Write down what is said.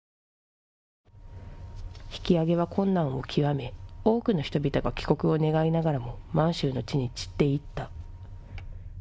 引き揚げは困難を極め多くの人々が帰国を願いながらも満州の地に散っていった。